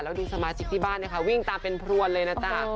แล้วดูสมาชิกที่บ้านนะคะวิ่งตามเป็นพรวนเลยนะจ๊ะ